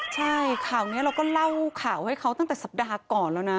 ใช่ข่าวนี้เราก็เล่าข่าวให้เขาตั้งแต่สัปดาห์ก่อนแล้วนะ